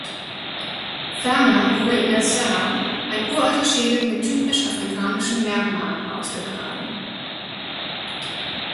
Ferner wurde in der Serra ein uralter Schädel mit typisch afrikanischen Merkmalen ausgegraben.